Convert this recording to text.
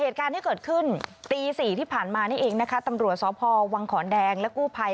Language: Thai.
ที่พันมานี่เองนะคะตำรวจศพวังขอนแดงและกู้ภัย